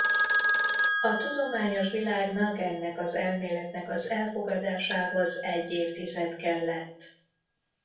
A tudományos világnak ennek az elméletnek az elfogadásához egy évtized kellett.